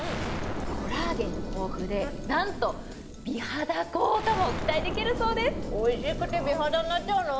コラーゲン豊富でなんと美肌効果も期待できるそうですおいしくて美肌になっちゃうの？